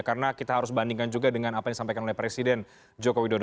karena kita harus bandingkan juga dengan apa yang disampaikan oleh presiden joko widodo